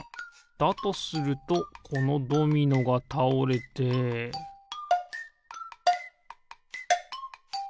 だとするとこのドミノがたおれてピッ！